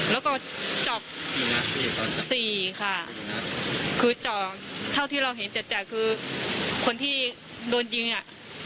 แล้วก็จอบสี่ค่ะคือจอบเท่าที่เราเห็นจัดจากคือคนที่โดนยิงอ่ะ